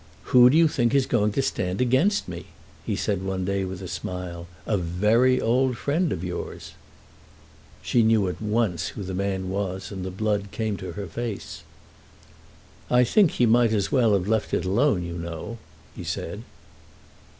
"Who do you think is going to stand against me?" he said one day with a smile. "A very old friend of yours." She knew at once who the man was, and the blood came to her face. "I think he might as well have left it alone, you know," he said.